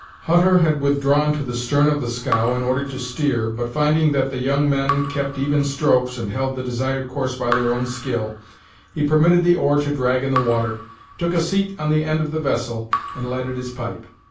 Hutter had withdrawn to the stern of the scow, in order to steer, but, finding that the young men kept even strokes, and held the desired course by their own skill, he permitted the oar to drag in the water, took a seat on the end of the vessel, and lighted his pipe.